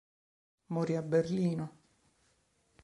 Morì a Berlino.